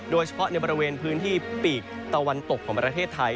โดยเฉพาะในบริเวณพื้นที่ปีกตะวันตกของประเทศไทย